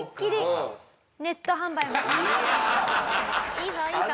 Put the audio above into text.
いいぞいいぞ！